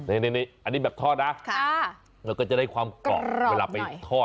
อันนี้แบบทอดนะแล้วก็จะได้ความกรอบเวลาไปทอด